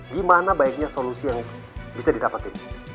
gimana baiknya solusi yang bisa didapatin